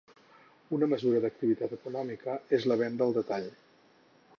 Una mesura d'activitat econòmica és la venda al detall.